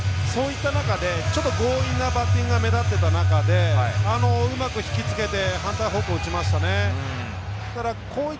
そういった中でちょっと強引なバッティングが目立っていた中でうまく引き付けて反対方向、打ちましたね。